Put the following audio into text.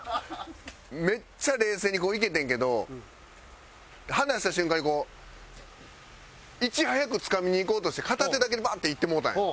めっちゃ冷静にこういけてんけど離した瞬間にこういち早くつかみにいこうとして片手だけでバッていってもうたんよ。